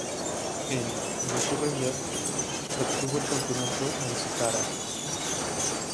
En "No Surrender", retuvo el campeonato ante Tara.